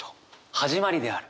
「始まりである」。